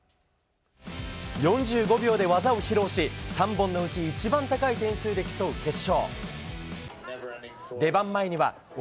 ４５秒で技を披露し、３本のうち一番高い点数で競う決勝。